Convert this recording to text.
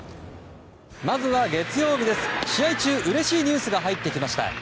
まずは月曜日、試合中うれしいニュースが入ってきました。